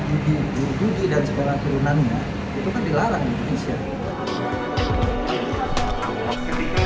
dugi dan segala turunannya itu kan dilarang di indonesia